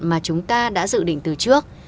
mà chúng ta đã dự định từ trước